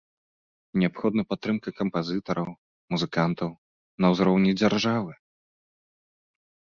І неабходна падтрымка кампазітараў, музыкантаў на ўзроўні дзяржавы.